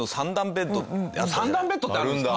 ３段ベッドってあるんですか？